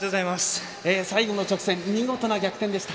最後の直線見事な逆転でした。